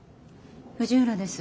藤浦です。